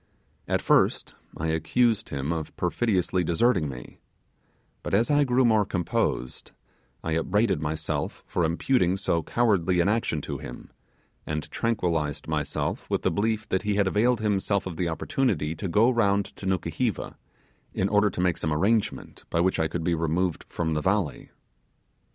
At first I accused him of perfidiously deserting me; but as I grew more composed, I upbraided myself for imputing so cowardly an action to him, and tranquillized myself with the belief that he had availed himself, of the opportunity to go round to Nukuheva, in order to make some arrangement by which I could be removed from the valley.